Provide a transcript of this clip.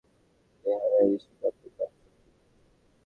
চেহারায় রিশি কাপুর, কাজে শক্তি কাপুর?